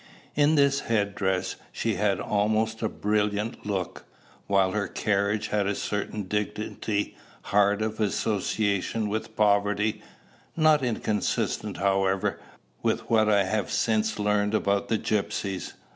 In this head dress she had almost a brilliant look; while her carriage had a certain dignity hard of association with poverty not inconsistent, however, with what I have since learned about the gypsies.